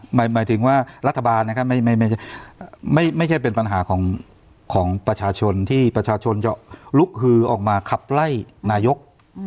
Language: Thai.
หมายถึงว่ารัฐบาลนะครับไม่ใช่เป็นปัญหาของประชาชนที่ประชาชนจะลุกฮือออกมาขับไล่นายก